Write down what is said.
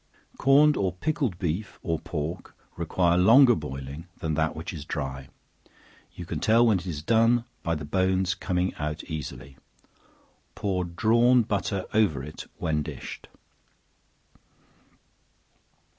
Corned or pickled beef, or pork, require longer boiling than that which is dry; you can tell when it is done by the bones coming out easily. Pour drawn butter over it when dished.